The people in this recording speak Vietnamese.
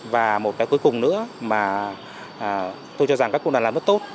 và một cái cuối cùng nữa mà tôi cho rằng các công đoàn làm rất tốt